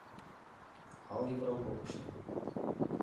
АЛГЕБРА УРОКЫШТО